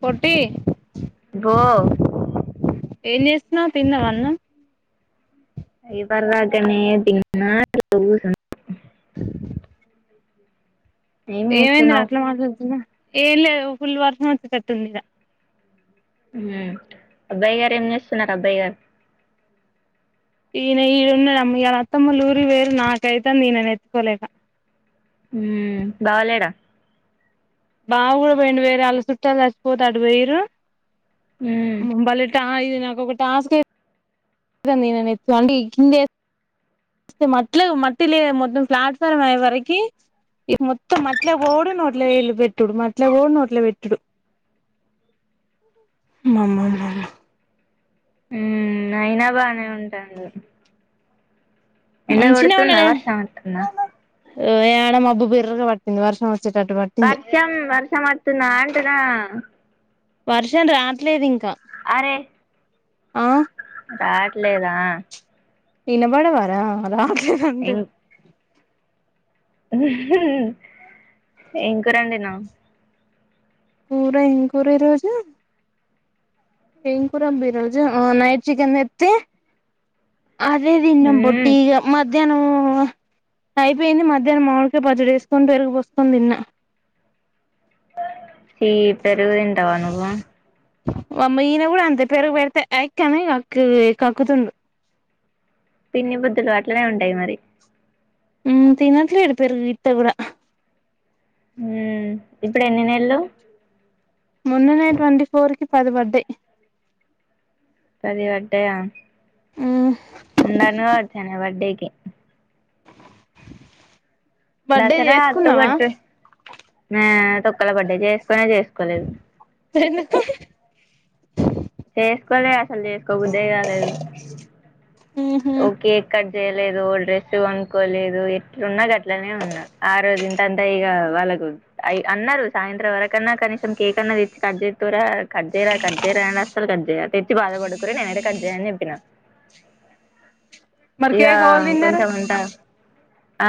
పొట్టి బో ఏం చేస్తున్నావ్ తిన్నావా అన్నం ఇవర్ దాకానే తిన్న ఇట్ల కూసున్ [unintelligible] ఏం ఏమైంది రా చేస్తున్నావ్ అట్లా మాట్లాడుతున్నవ్ ఏం లేదు ఫుల్ వర్షం వచ్చేటట్టుంది ఇడా హ్మ్ అబ్బాయిగారు ఏం చేస్తున్నారు అబ్బాయిగారు ఈయన ఈడ ఉన్నాడు అమ్మ ఈయాల అత్తమ్మఒళ్ళు ఊరికిపోయిడ్రు నాకైతంది ఈయనను ఎత్తుకోలేక ఉమ్ బావా లేడా బావా కూడా పోయిండు వేరే వాళ్ళ చుట్టాలు చచ్చిపోతే అటు పోయిరు మ్మ్ ఉమ్ఉ బల్లి టా ఇది నాకు ఒక టాస్క్ కి దింది ఈయనని [unintelligible] నంది కింది మట్టిలో మట్టి లే మొత్తం ప్లాట్ఫారం అయ్యే వరకి ఈ మొత్తం మట్టిలకి పోవుడు నోట్ల వేళ్ళు పెట్టుడు మట్లేకు పోవుడు నోట్ల వేళ్ళు పెట్టుడు మమ్మమ్ మమ్మ హ్మ్ అయినా బానే ఉంటాండ్రు మంచినే కొడుతుందా ఉన్నాదే వర్షం వత్తుందా ఏడ మబ్బు బిర్రగా పట్టింది వర్షం వచ్చేటట్టు పట్టి వర్షం వర్షం అస్తుందా అంటున్న వర్షం రావట్లేదు ఇంకా అరే ఆ రాట్లేదా వినపడవారా రాట్లేదు అంటే ఇం ఏం కూర అండినవ్ కూర ఏం కూర ఈరోజు ఏం కూర బిరోజు ఆ నైట్ చికెన్ తెతే అదే తిన్నాం పో మ్మ్ ఇగ మధ్యాహ్నం అయిపోయింది మధ్యాహ్నం మామీడికాయ పచ్చడి ఎస్కొని పెరుగు పోసుకొని తిన్నా చి పెరుగు తింటావా నువ్వు వామ్మో ఈమె కూడా అంతే పెరుగు పెడితే ఐక్క అని కక్కుతుండు పిన్ని బుద్దులు అట్లనే ఉంటాయి మరి ఉమ్ తిన్నట్లేడు పెరుగు ఇతే కూడా ఉమ్ ఇప్పుడు ఎన్ని నెల్లు మొన్ననే ట్వంటీ ఫోర్ కి పది పడాయి పది పడ్డయా మ్మ్ ముందన్న వచ్చి [unintelligible] ఈయనా బర్త్డే కీ బర్త్డే దసరా చేసుకున్నావా అక్టోబర్ ట్వ హ తొక్కల బడ్డే చేసుకొనే చేసుకోలేదు [unintelligible] ఎందుకు చేసుకోలే అసలు చేసుకోబుద్దె కాలేదు మ్మ్ హు ఓకే కట్ చేయలేదు డ్రెస్ కోనుకోలేదు ఎట్లున్నా అట్లనే ఉన్నా ఆ రోజు అంటే ఇక వాళ్ళకు అన్నారు సాయంత్రం వరకన్నా కనీసం కేక్ అన్నా తెచ్చి కట్ చేస్కోరా కట్ చేయరా కట్ చేయరా నేను అసలు కట్ చేయ తెచ్చి బాధపెట్టకూరి నేను అయితే కట్ చేయఅన్ని చెప్పినాడు. మరి ఇక కేక్ ఎవలు తిన్నారు కొంచెం అంటా ఆ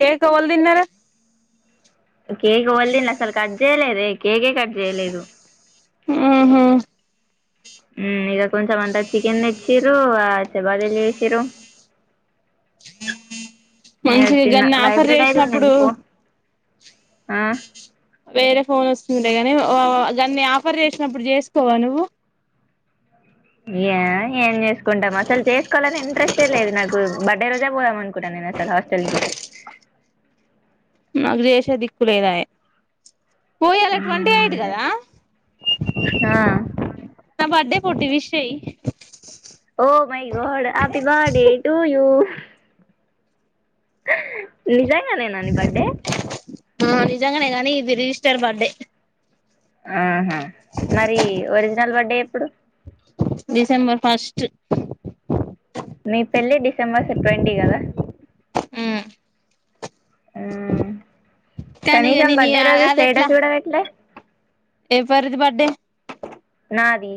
కేక్ ఎవళ్ళు తిన్నారు కేక్ ఎవరు తిన్నారు అసలు కట్ చేయలేదే కేకే కట్ చేయలేదు ఉహుమ్ ఉమ్ ఇక కొంచెం అంతా చికెన్ తెచ్చిరు ఆ చపాతీలు చేసిరు ఉమ్ మంచిగా తిన్న గన్ని వై ఆఫర్ బైట్ ఐతుంది చేసినప్పుడు నీ ఫోన్ ఆ వేరే ఫోన్ వస్తుందే గాని గాన్ని ఆఫర్ చేసినప్పుడు చేసుకోవా నువ్వు యా ఏం చేసుకుంటాం అసలు చేసుకోవాలని ఇంట్రెస్టే లేదు నాకు బర్త్డే రోజే పోదాం అనుకున్న నేను అసలు హాస్టల్ కి నాకు చేసే దిక్కులేదాయే పో ఇయలా ట్వంటీ ఎయిట్ కదా ఆ నా బర్డే పోట్టి విష్ చేయి oh my god happy birthday to you నిజంగానేన ని బార్డే ఆ నిజాంగానే గానీ ఇది రిజిస్టర్ బర్డే ఆహా మరి ఒరిజినల్ బర్డే ఎప్పుడు డిసెంబర్ ఫస్ట్ మీ పెళ్ళి డిసెంబర్ ట్యింటీ కదా ఉమ్ ఉమ్ కానీ ఇగ కనీసం నేను ఇగ బర్డే రోజు స్టేటస్ కూడా పేట లే ఏవరిది బర్డే నాది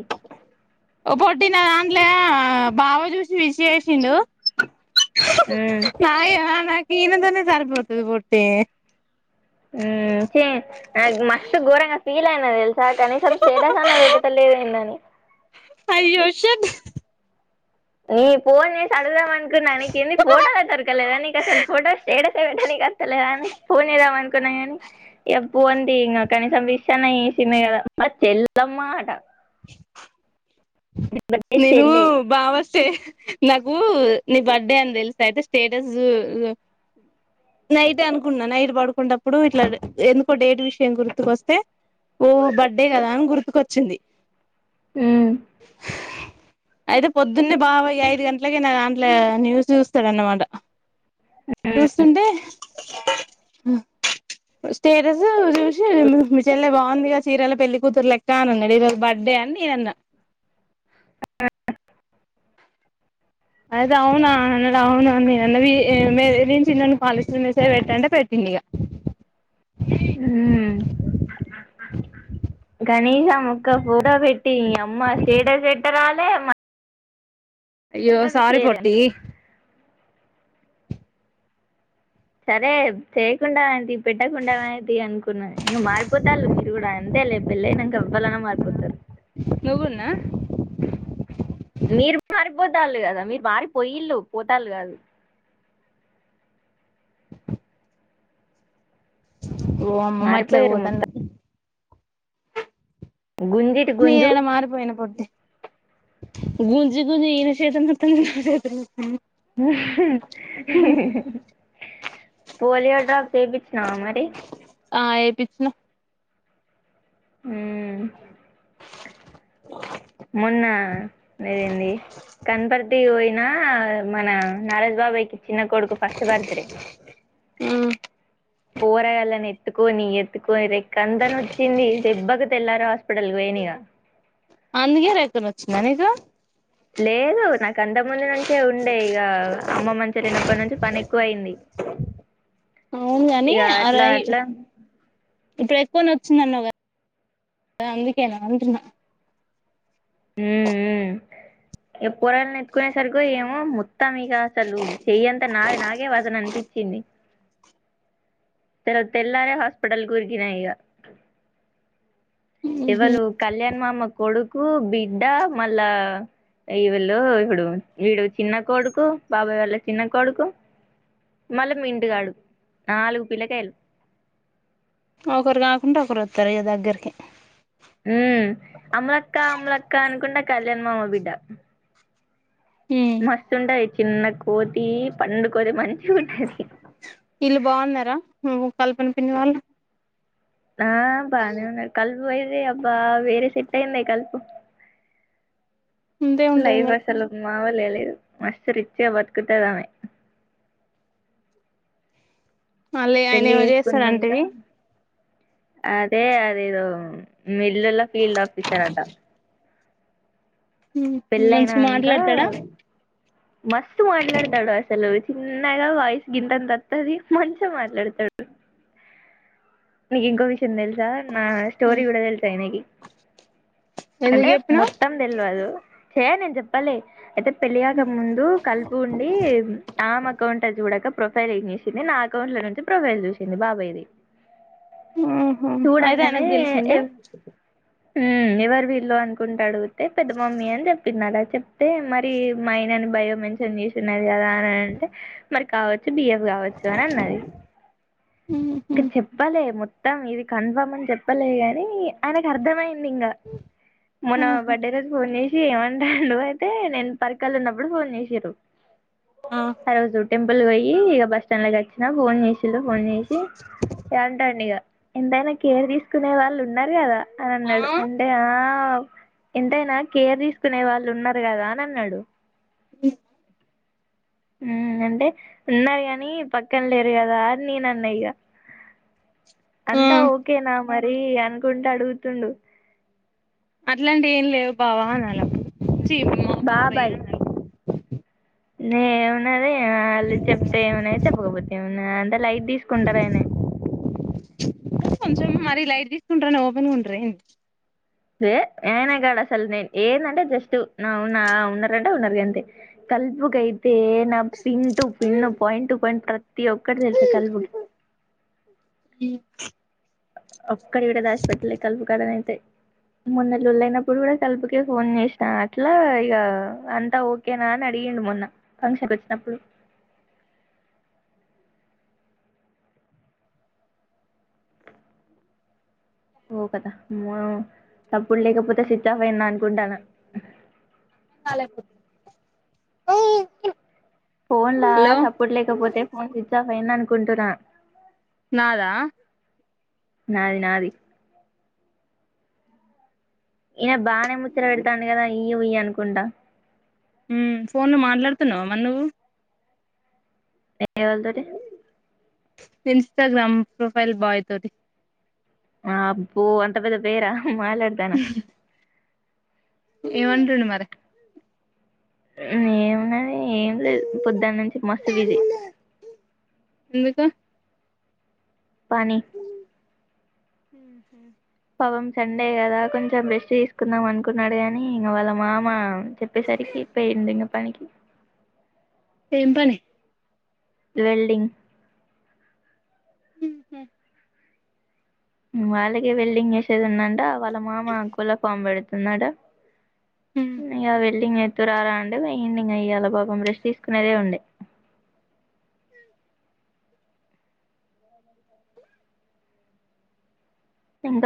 ఓ పొట్టి నా దాంట్లో బావ చూసి నీకు చేసిండు అమ్ నా నాక ఇనతోనే సరిపోతది బుట్టి ఉమ్ స నాకు మస్తు ఘోరంగా ఫీల్ అయిన తెలుసా కనీసం స్టేటస్ అన్నా పెడతేలేద ఏందని అయ్యో షట్ నీ ఫోన్ చేసి అడుగుదాం అనుకున్నా నీకు ఏంది ఫోటోలే దొరకలేదా నీకు అసలు ఫోటో స్టేటస్ టనికి అస్తలేద అని ఫోన్ చేద్దామ అనుకున్నా కానీ ఎప్పుంది ఇంకా కనీసం విష్ అన్న చేసింది కదా మ చెల్లమ్మాట అంటే నేను చెల్లె బావ చే నాకు నీ బర్త్డే అని తెలుసె అయితే స్టేటస్ నైట్ అనుకున్నా నైట్ పడుకున్నప్పుడు ఇట్లా ఎందుకో డేట్ విషయం గుర్తుకొస్తే ఓ బర్త్డే కదా అని గుర్తుకొచ్చింది అమ్ అయితే పొద్దున్నే బాబాయ్ ఐదు గంటలకి నా దాంట్లో న్యూస్ చూస్తాడు అన్నమాట ఉమ్ చూస్తుంటే స్టేటస్ చూసి చెల్లే బాగుందిగా చీరలో పెళ్లి కూతురు లెక్క అని అన్నది ఈ రోజు బర్త్డే అని నేను అన్నా అదే అవునా అన్నాడు అవునా అని నేన్నే చిన్నోనికి పాలిస్తున్న మీసేజు పెట్టంటే పెట్టింది ఇక అ కనీసం ఒక్క పోటో పెట్టి ఈ అమ్మ స్టేటస్ పెట్టరాలే అయ్యో మళ్ళ విష్ సారి చేయలే పోట్టి సరే చేయకుండామాయే పెట్టకుండా మయేతి అది అనుకున్నా ఇంక మారిపోతాల్లు మీరు కూడా అంతేలే పెళ్ళయినంక ఎవ్వలన్న మారిపోతారు నువ్వుకూడాన్నా మీరు మారిపోతాళ్ళు కదా మీరు మారిపోయిల్ళు పోతాల్లు కాదు ఓ అమ్మ మారిపోయారు మట్లాపోదన్న మొత్తం గుంజే నేను ఎడ మారిపోయిన పొట్టి గుంజి గుంజి ఇన చేతులు నోతనై నా చేతులు నోతనై పోలియో డ్రాప్స్ ఏ పిచ్చినావా మరి ఆ ఏయిపిచ్చిన అ మొన్న ఏంది కనపర్దియి నా మన నరేష్ బాబాయి చిన్న కొడుకు ఫస్ట్ బర్త్డే ఆ పోరగాల్లని ఎత్తుకొని ఎత్తుకొని రెక్కంత నోచ్చింది దెబ్బకి తెల్లార హాస్పిటల్ పోయినాయిగా అందుకే రెక్క నోచ్చిందా నీకు లేదు కంతకు ముందు నుంచే ఉండే ఇక అమ్మ మంచి లేనప్పటి నుంచి పని ఎక్కువ అయింది అవును గాని ఇక అట్లా అరై అట్లా ఇప్పుడు ఎక్కువ నోచ్చిందన్నవు కదా అందుకే అంటున్నా ఉమ్ ఉమ్ ఇగ పోరగల్లు నెత్తుకునే సరికో ఏమో మొత్తాం ఇ అసలు చెయ్యంత నాది నాకే వజన్ అనిపించింది తరవాత తెల్లారే హాస్పిటల్ కి ఉరికిన ఇక ఎవలు కళ్యాణ్ మామ కొడుకు బిడ్డ మళ్ళా ఈ వీళ్ళు ఇప్పుడు వీడు చిన్న కొడుకు బాబాయ్ వాళ్ళ చిన్న కొడుకు మళ్ళీ మింటిగాడు నాలుగు పిల్లకాయలు ఒకరు కాకుండా ఒకరు వస్తారు ఇక దగ్గరికి ఉ అములక్క అములక్క అనుకుంటా కళ్యాణ్ మామ బిడ్డ మస్తుంటది చిన్న కోతి పండు కోతి మంచిగా ఉంటది వీళ్లు బాగున్నారా కల్పన పిన్నీ వాళ్ళు ఆ బానే ఉన్నారు కలుపు పోయద అబా వేరే సెట్ అయింది కలుపుకు అంతే ఉంటది లైవ్ మరి ఆసలు మాములుగా లేదు మస్త్ రిచ్ గా బతుకుతాదవమె మళ్ళీ ఆయన పెళ్లి ఏమో చేసుకున్నాంక చేస్తాడంటివి అదే అదేదో మీల్లుల ఫీల్డ్ ఆఫీసర్ అటా మంచిగా పెళ్ళయినాంక మాట్లాడతాడా మస్తు మాట్లాడతాడు అసలు చిన్నగా వాయిస్ గింతంత అత్తది మంచిగా మాట్లాడతాడు నీకు ఇంకో విషయం తెలుసా నా స్టోరీ కూడా తెలుసు ఆయనకి ఎందుకు అంటే చెప్పినవ్ మొత్తం తెల్వదు ఎయ్ నేను చెప్పాలే అయితే పెళ్ళిగాక ముందు కలుపు ఉండి ఆమె అకౌంట్ చూడక ప్రొఫైల్ ఏం చేసింది నా అకౌంట్లో నుంచి ప్రొఫైల్ చూసింది బాబాయ్‌ది ఆహా అయితే ఆయనకి తెలిసిందా ఉమ్మ్ ఎవరు వీళ్ళు అనుకుంటా అడిగితే పెద్ద మమ్మీ అని చెప్పింది అలా చెప్తే మరి మా ఆయనని భయం మెన్షన్ చేసి ఉన్నది కదా అని అంటే మరి కావచ్చు బియఫ్ కావచ్చు అని అన్నది ఇక చె ప్పలే మొత్తం ఇది కన్ఫామ్ అని చెప్పలే కాని ఆయనకు అర్థమయింది ఇంగ మన ఆహా బర్త్డే రోజు ఫోన్ చే సి ఏమంటాడు అయితే నేను పరికలు ఉన్నప్పుడు ఫోన్ చేసిర్రు ఆ ఆరోజు టెంపుల్‌కు పోయి ఇక బస్ స్టాండ్ లోకి వచ్చినా ఫోన్ చేసిళ్ళు ఫోన్ చేసి అంటాండు ఇగ ఎంతైనా కేర్ తీసుకునే వాళ్ళు ఉన్నారు కదా అని ఆ అన్నాడు అం టే ఆ ఎంతైనా కేర్ తీసుకునే వాళ్ళు ఉన్నారు కదా అని అన్నాడు మ్మ్ ఉమ్మ్ అంటే ఉన్నారు కానీ పక్కన లేరు కదా అనీ నేను అన్న ఇగ ఆ అంతా ఓకేనా మరి అనుకుంటు అడుగుతుండు అట్లాంటివి ఏం లేవు బావ అనాల అప్పుడు చీ మా బాబాయే అనాలి ఏమున్నదే వాళ్లు చెప్తే ఏమన్నైతే పోవచ్చు ఏమన్నా అంటే లైట్ తీసుకుంటారయనా కొంచెం మరి లైట్ తీసుకుంటారని ఓపెన్గా ఉంటారా ఏంది ఏ ఆయనే కాడ అసలు నేను ఏందంటే జస్ట్ అవున్నా ఉన్నారంటే ఉన్నారు గంతే కల్పుకు అయితే నా pin to pin point to point ప్రతి ఒక్కటి తెలుసు కలుపుకి ఉమ్మ్ ఒక్కటి కూడా దాస్పిటలే కలుపుకాడనా అయితే మొన్న లోళ్ళియినప్పుడు కూడా కలుపుకే ఫోన్ చేసిన అట్లా ఇగ అంతా ఓ కేనా అని అడిగిండు మొన్న ఫంక్షన్‌కి వచ్చినప్పుడు ఓ కథ అమ్మో చప్పుడు లేకపోతే స్విచ్ ఆఫ్ అయింది అనుకుంట్టన్న కాల్ లేపు ఫోన్ లా సప్పుడు లేకపోతే ఫోన్ స్విచ్ ఆఫ్ అయింది అనుకుంటున్నా నాదా నాది నాది ఇయన బానే ముచ్చట పెడతాండు కదా ఇయ్ ఉయ్ అనుకుంటా ఉమ్మ్ ఫోన్లు మాట్లాడుతున్నావా మరి నువ్వు ఎవళ్ళతోటి ఇన్స్టాగ్రామ్ ప్రొఫైల్ బాయ్ తోటి ఆ అబ్బో అంత పెద్ద పేరా మాట్లాడతాను ఏమంటుండు మరి ఏమున్నాది ఏం లేదు పొద్దున్న నుంచి మస్తు బిజీ ఎందుకు పని మ్మ్ఉహ్మ్ పాపం సండే కదా కొంచెం రేస్ట్ తీసుకుందాం అనుకున్నాడు గానీ ఇంగ వాళ్ళ మామ చెప్పేసరికి పెయిండు ఇగ పనికి ఏం పనీ వెల్డింగ్ హుహు వాళ్ళకే వెల్డింగ్ చేసేది ఉందటా వాళ్ళ మామ కోళ్ల ఫామ్ పెడుతుందట ఇగ వెల్డింగ్ చేతు రారా అంటే పోయిండు ఇగ ఇయ్యలా పాపం రెస్ట్ తీసుకునేదే ఉండే ఇంకా